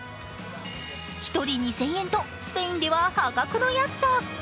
１人２０００円とスペインでは破格の安さ。